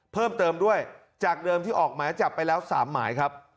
เพิ่มเติมด้วยจากเดิมที่ออกหมายจับไปแล้ว๓หมายครับ